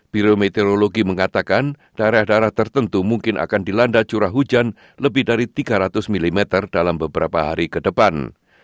bireumeteorologi mengatakan daerah daerah tertentu mungkin akan dilanda curah hujan lebih dari tiga ratus mm dalam beberapa hari ke depan